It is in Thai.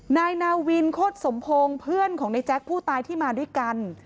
นายนาวินโคตรสมพงศ์เพื่อนของในแจ๊คผู้ตายที่มาด้วยกัน